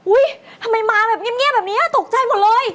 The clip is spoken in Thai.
ทำไมมาแบบเงียบแบบนี้ตกใจหมดเลย